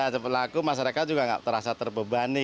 cepat laku masyarakat juga tidak terasa terbebani